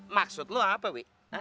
maksud lu apa wih